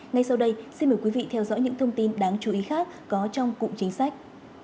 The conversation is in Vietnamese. ngay sau đây xin mời quý vị theo dõi những thông tin đáng chú ý khác có trong cụm chính sách